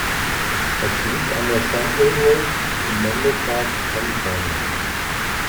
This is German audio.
Es liegt an der Sand Hill Road in Menlo Park, Kalifornien.